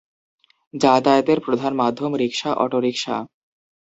যাতায়াতের প্রধান মাধ্যম রিক্সা, অটোরিক্সা।